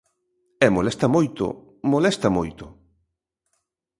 E molesta moito, molesta moito.